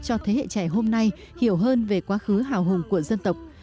cho thế hệ trẻ hôm nay hiểu hơn về quá khứ hào hùng của dân tộc